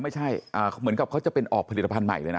ไม่ใช่เหมือนกับเขาจะเป็นออกผลิตภัณฑ์ใหม่เลยนะ